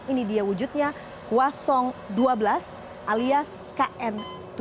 ini dia wujudnya wasong dua belas alias kn tujuh